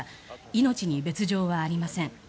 命に別条はありません。